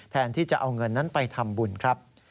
ที่จะเอาเงินนั้นไปทำบุญครับ